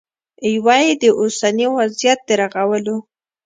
یوه یې د اوسني وضعیت د رغولو